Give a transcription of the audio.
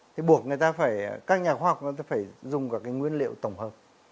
thì buộc người ta phải các nhà khoa học phải dùng các nguyên liệu tổng hợp